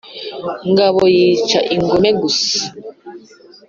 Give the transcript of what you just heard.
Ngabo yica ingome gusa